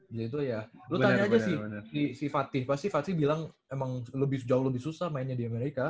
jadi itu ya lu tanya aja sih si fatih pasti fatih bilang emang jauh lebih susah mainnya di amerika